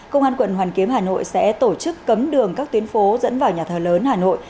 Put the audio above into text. công an quận hoàn kiếm hà nội sẽ tổ chức cấm đường các tuyến phố dẫn vào nhà thờ lớn hà nội